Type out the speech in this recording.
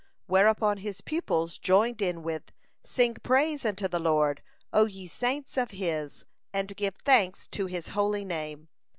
Whereupon his pupils joined in with: "Sing praise unto the Lord, O ye saints of His, and give thanks to His holy name.